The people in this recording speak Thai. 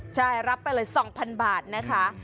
ใช่รับไปเลย๒๐๐๐บาทนะคะ